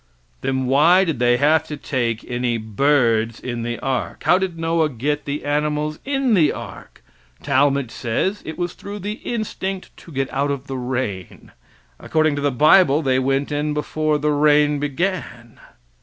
Then why did they have to take any birds in the ark? How did Noah get the animals in the ark? Talmage says it was through the instinct to get out of the rain. According to the bible they went in before the rain began.